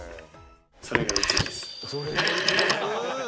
それがウチです！